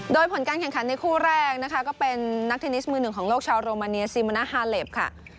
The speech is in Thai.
โดยผลการแข่งขันในคู่แรกนะคะก็เป็นนักเทนนิสมือหนึ่งของโลกชาวโรมาเนียซีมณฮาเลปค่ะ